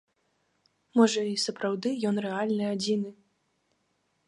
Можа, і сапраўды, ён рэальны адзіны?